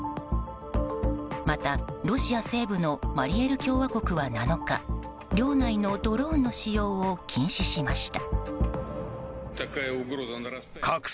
また、ロシア西部のマリ・エル共和国は７日領内のドローンの使用を禁止しました。